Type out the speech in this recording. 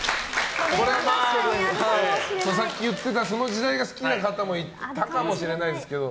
さっき言ってたその時代が好きな方もいたかもしれないですけど。